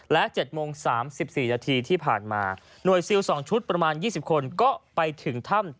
และ๗โมง๓๔นาทีที่ผ่านมาหน่วยซิล๒ชุดประมาณ๒๐คนก็ไปถึงถ้ำ